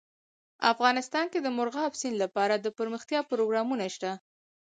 افغانستان کې د مورغاب سیند لپاره دپرمختیا پروګرامونه شته.